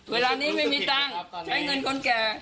เวลานี้ไม่มีตังค์ใช้เงินคนแก่